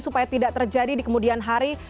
supaya tidak terjadi di kemudian hari